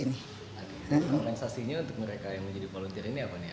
oke dan organisasinya untuk mereka yang menjadi volunteer ini apa nih